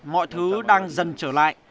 mọi thứ đang dần trở lại